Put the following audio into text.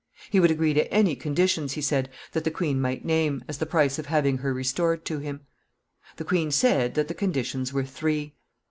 He would agree to any conditions, he said, that the queen might name, as the price of having her restored to him. [Sidenote: The three conditions.] The queen said that the conditions were three.